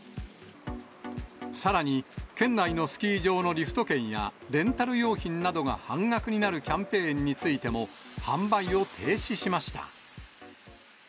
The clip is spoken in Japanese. さらに、県内のスキー場のリフト券や、レンタル用品などが半額になるキャンペーンについても、販売を停止しました。